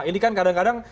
ini kan kadang kadang